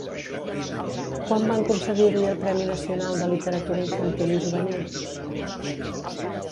Quan van concedir-li el Premi Nacional de Literatura Infantil i Juvenil?